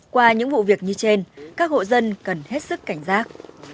qua những vụ việc như trên các hộ dân cần hết sức cảnh giác